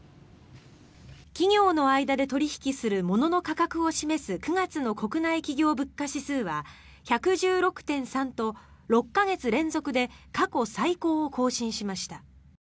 企業の間で取引する物の価格を示す９月の国内企業物価指数は１１６．３と６か月連続で過去最高を更新しました。